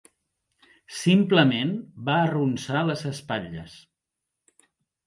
Simplement va arronsar les espatlles.